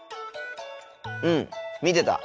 うん見てた。